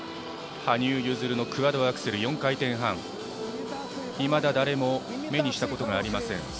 羽生結弦のクワッドアクセル４回転半いまだ誰も目にしたことがありません